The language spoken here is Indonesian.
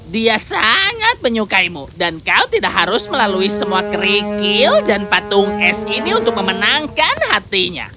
dia sangat menyukaimu dan kau tidak harus melalui semua kerikil dan patung es ini untuk memenangkan hatinya